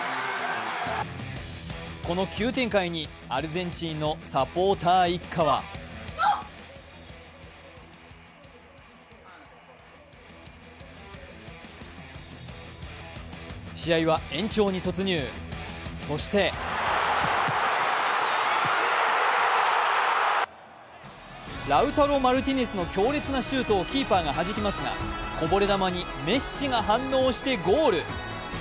この急展開にアルゼンチンのサポーター一家は試合は延長に突入、そしてラウタロ・マルティネスの強烈なシュートをキーパーがはじきますが、こぼれ球にメッシが反応してゴール。